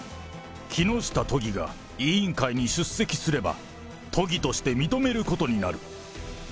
木下都議が委員会に出席すれば、都議として認めることになる。